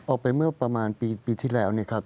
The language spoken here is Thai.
ออกไปเมื่อประมาณปีที่แล้วเนี่ยครับ